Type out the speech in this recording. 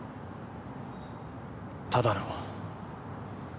ただの。